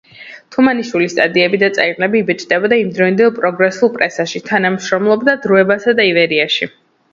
თუმანიშვილის სტატიები და წერილები იბეჭდებოდა იმდროინდელ პროგრესულ პრესაში; თანამშრომლობდა „დროებასა“ და „ივერიაში“.